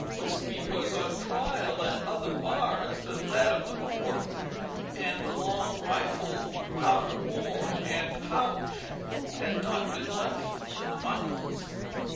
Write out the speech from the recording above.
Whiskey was on trial at other bars than that of the court, and the long rifle, powder horn and pouch had not been left in the mountains.